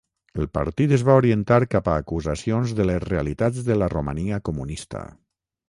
El partit es va orientar cap a acusacions de les realitats de la Romania Comunista.